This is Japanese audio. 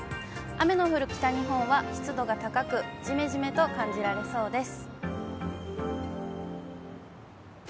雨の降る北日本は湿度が高く、じめじめと感じられそうです。